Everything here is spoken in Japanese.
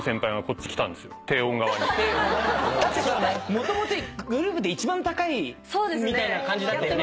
もともとグループで一番高いみたいな感じだったよね。